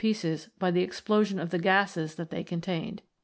pieces by the explosion of the gases that they con tained.